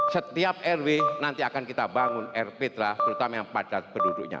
setiap rw nanti akan kita bangun rptra terutama yang padat penduduknya